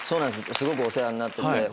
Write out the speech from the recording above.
すごくお世話になってて。